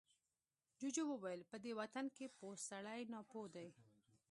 جوجو وويل، په دې وطن کې پوه سړی ناپوه دی.